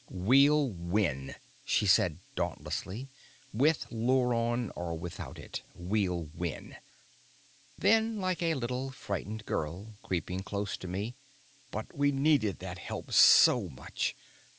"We'll win," she said dauntlessly. "With Luron or without it, we'll win." Then, like a little frightened girl, creeping close to me: "But we needed that help so much."